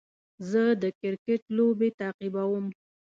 زه د کرکټ لوبې تعقیبوم.